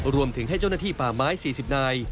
รวมถึงให้เจ้าหน้าที่ป่าไม้๔๐นาย